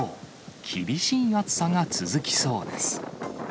厳しい暑さが続きそうです。